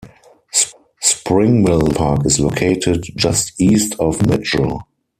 Spring Mill State Park is located just east of Mitchell.